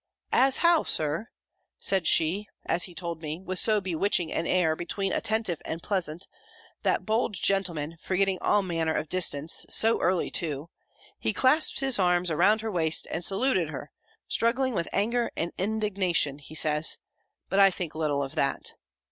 "As how, Sir?" said she, as he told me, with so bewitching an air, between attentive and pleasant, that, bold gentleman, forgetting all manner of distance, so early too! he clasped his arms around her waist, and saluted her, struggling with anger and indignation, he says; but I think little of that!